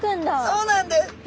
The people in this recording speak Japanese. そうなんです。